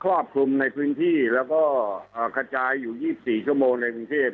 ครอบคลุมในพื้นที่แล้วก็กระจายอยู่๒๔ชั่วโมงในกรุงเทพ